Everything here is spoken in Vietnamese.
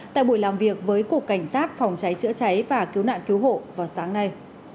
tại buổi làm việc với cục cảnh sát phòng cháy chữa cháy và cứu nạn cứu hộ vào sáng nay